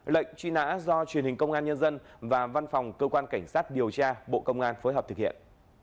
lệnh truyền hình công an dân và văn phòng cơ quan cảnh sát điều tra bộ công an phối hợp thực hiện